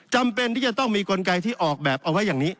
จำเป็นที่จะต้องมีกลไกที่ออกแบบเอาไว้อย่างนี้